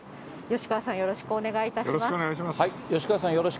吉川さん、よろしくお願いいたします。